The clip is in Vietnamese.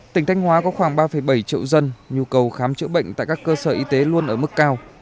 tỉnh thanh hóa có khoảng ba bảy triệu dân nhu cầu khám chữa bệnh tại các cơ sở y tế luôn ở mức cao